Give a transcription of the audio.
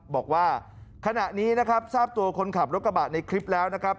บอกว่าขณะนี้นะครับทราบตัวคนขับรถกระบะในคลิปแล้วนะครับ